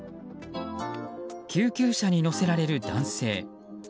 救急車に乗せられる男性。